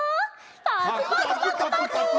パクパクパクパク。